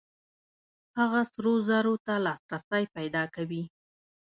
هغه سرو زرو ته لاسرسی پیدا کوي.